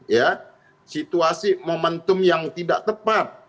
ya situasi momentum yang tidak tepat